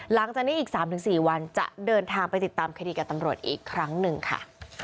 หลังจากนี้อีก๓๔วันจะเดินทางไปติดตามคดีกับตำรวจอีกครั้งหนึ่งค่ะ